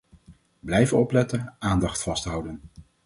Blijven opletten, aandacht vasthouden.